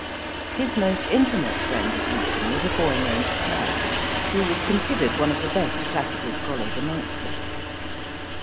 His most intimate friend at Eton was a boy named Price, who was considered one of the best classical scholars amongst us.